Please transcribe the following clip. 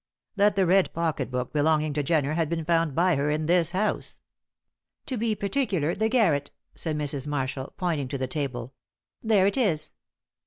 "That the red pocket book belonging to Jenner had been found by her in this house." "To be particular, the garret," said Mrs. Marshall, pointing to the table. "There it is."